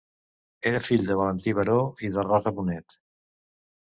Era fill de Valentí Baró i de Rosa Bonet.